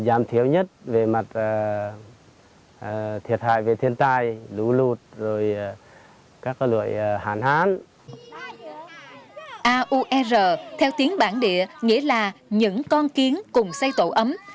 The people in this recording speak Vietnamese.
a u e r theo tiếng bản địa nghĩa là những con kiến cùng xây tổ ấm